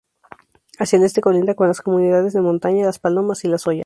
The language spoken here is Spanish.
Hacia el este colinda con las comunidades de montaña Las Palomas y Las Ollas.